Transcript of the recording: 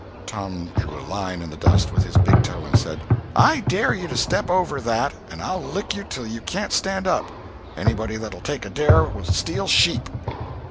Tom drew a line in the dust with his big toe, and said: "I dare you to step over that, and I'll lick you till you can't stand up. Anybody that'll take a dare will steal sheep."